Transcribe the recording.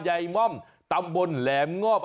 ยายม่อมตำบลแหลมงอบ